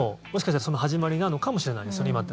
もしかして、その始まりなのかもしれないですよね。